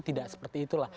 tidak seperti itulah